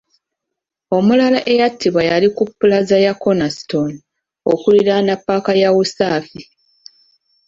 Omulala eyattibwa yali ku ppulaaza ya Kornerstone , okuliraana ppaaka ya Usafi .